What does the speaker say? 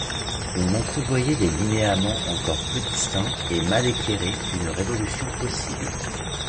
On entrevoyait les linéaments encore peu distincts et mal éclairés d’une révolution possible.